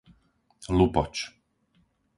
Lupoč